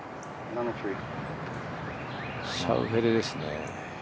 シャウフェレですね。